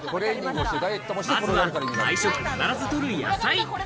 まずは毎食必ず取る野菜。